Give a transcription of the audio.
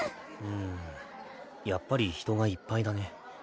うんやっぱり人がいっぱいだね。